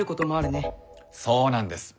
そうなんです。